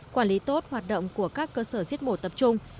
quản lý tốt hoạt động của các cơ sở giết mổ tập trung